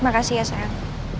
makasih ya sayang